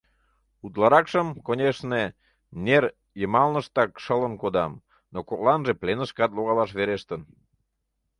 Утларакшым, конешне, нер йымалныштак шылын кодам, но кокланже «пленышкат» логалаш верештын.